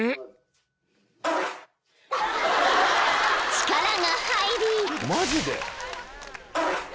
［力が入り］